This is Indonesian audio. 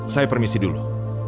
saya permisi dulu